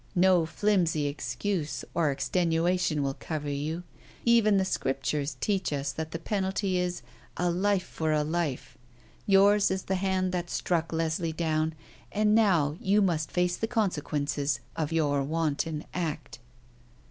No flimsy excuse or extenuation will cover you. Even the Scriptures teach us that the penalty is 'a life for a life.' Yours is the hand that struck Leslie down, and now you must face the consequences of your wanton act."